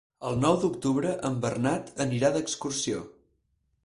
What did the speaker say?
El nou d'octubre en Bernat anirà d'excursió.